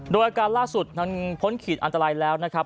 โดยอาการล่าสุดนั้นพ้นขีดอันตรายแล้วนะครับ